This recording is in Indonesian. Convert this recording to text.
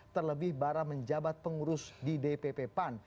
terlebih bara menjabat pengurus di dpp pan